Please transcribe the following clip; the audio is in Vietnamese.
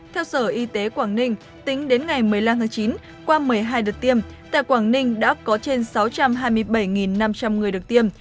theo sở y tế quảng ninh tính đến ngày một mươi năm tháng chín qua một mươi hai đợt tiêm tại quảng ninh đã có trên sáu trăm hai mươi bảy năm trăm linh người được tiêm